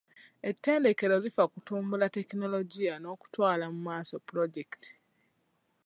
Ettendekero lifa ku kutumbula tekinologiya n'okutwala mu maaso pulojekiti.